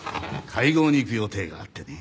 会合に行く予定があってね。